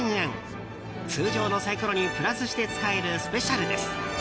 通常のサイコロにプラスして使えるスペシャルです。